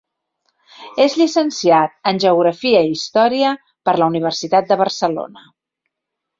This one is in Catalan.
És llicenciat en Geografia i Història per la Universitat de Barcelona.